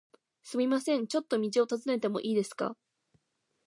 すみません、ちょっと道を尋ねてもいいですか？